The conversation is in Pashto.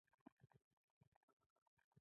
له عقل پرته همکاري نهشي رامنځ ته کېدی.